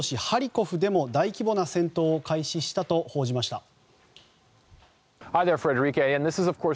ハリコフでも大規模な戦闘を開始したと報じました。